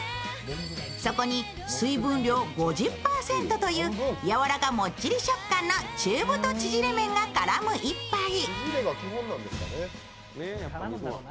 そこに水分量５０％という柔らかもっちり食感の中太ちぢれ麺が絡む一杯。